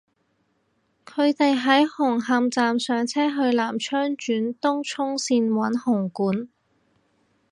佢哋喺紅磡站上車去南昌轉東涌綫搵紅館